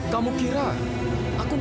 kamu kira aku gak berani